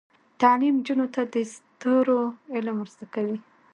تعلیم نجونو ته د ستورو علم ور زده کوي.